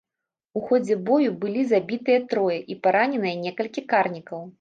У ходзе бою былі забітыя трое і параненыя некалькі карнікаў.